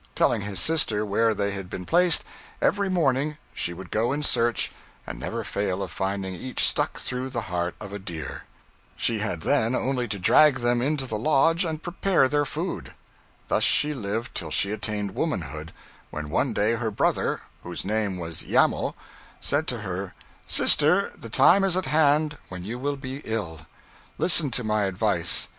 Telling his sister where they had been placed, every morning she would go in search, and never fail of finding each stuck through the heart of a deer. She had then only to drag them into the lodge and prepare their food. Thus she lived till she attained womanhood, when one day her brother, whose name was Iamo, said to her: 'Sister, the time is at hand when you will be ill. Listen to my advice.